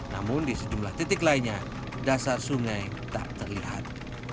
namun di sejumlah titik lainnya dasar sungai tak terlihat